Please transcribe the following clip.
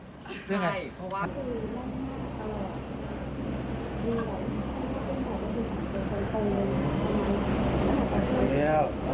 ใช่เพราะว่า